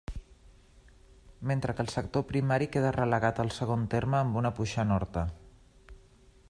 Mentre que el sector primari queda relegat al segon terme amb una puixant horta.